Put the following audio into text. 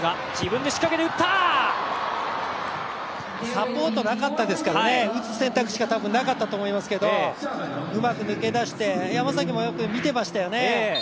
サポートなかったですから打つ選択しかなかったと思いますがうまく抜け出して山崎もよく見てましたよね。